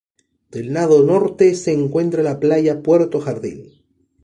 Del lado Norte se encuentra la Playa Puerto Jardín.